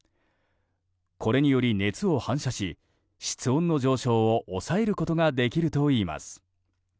これにより熱を反射し室温の上昇を抑えることができるといいます。